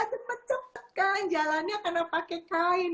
cepat cepat kan jalannya karena pakai kain